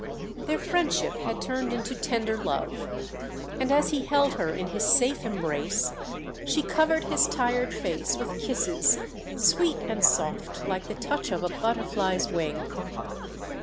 Their friendship had turned into tender love, and as he held her in his safe embrace she covered his tired face with kisses sweet and soft like the touch of a butterfly's wing.